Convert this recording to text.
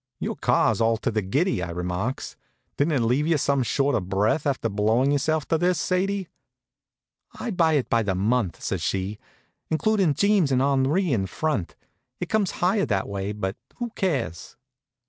"Your car's all to the giddy," I remarks. "Didn't it leave you some short of breath after blowin' yourself to this, Sadie?" "I buy it by the month," says she, "including Jeems and Henri in front. It comes higher that way; but who cares?"